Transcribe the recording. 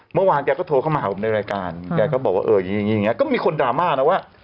เมื่อวานแกก็โทรเข้ามาหาผมในรายการแกก็บอกว่าเอออย่างนี้อย่างเงี้ก็มีคนดราม่านะว่า